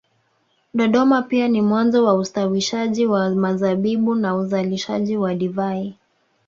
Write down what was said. Dodoma pia ni mwanzo wa ustawishaji wa mizabibu na uzalishaji wa divai